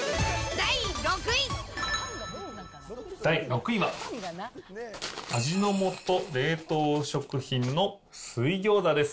第６位は、味の素冷凍食品の水餃子です。